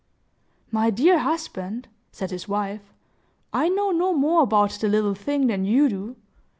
"My dear husband," said his wife, "I know no more about the little thing than you do.